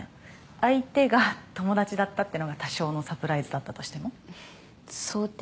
相手が友達だったってのが多少のサプライズだったとしても想定？